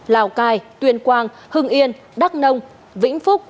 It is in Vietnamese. lào cai tuyên quang hưng yên đắk nông vĩnh phúc